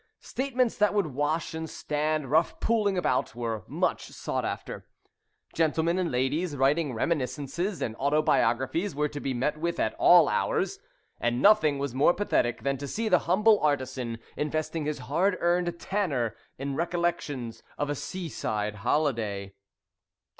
Statements that would wash and stand rough pulling about were much sought after. Gentlemen and ladies writing reminiscences and autobiographies were to be met with at all hours, and nothing was more pathetic than to see the humble artisan investing his hard earned "tanner" in recollections of a seaside holiday.